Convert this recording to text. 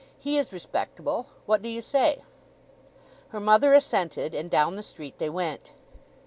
"He is respectable. What do you say?" Her mother assented, and down the street they went.